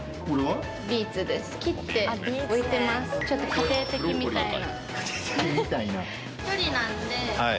家庭的みたいな。